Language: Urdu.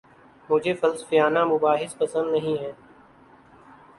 مجھے فلسفیانہ مباحث پسند نہیں ہیں